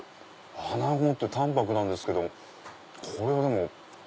アナゴって淡泊なんですけどこれはもう。